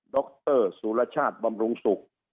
รสุรชาติบำรุงศุกร์